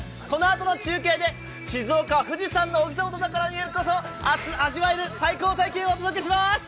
このあとの中継で、静岡・富士山のすそ野だからこそ味わえる最高体験をお届けします。